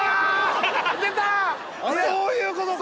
そういうことか！